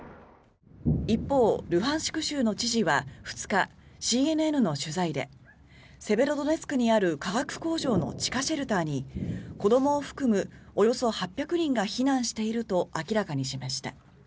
一方、ルハンシク州の知事は２日ＣＮＮの取材でセベロドネツクにある化学工場の地下シェルターに子どもを含むおよそ８００人が避難していると明らかにしました。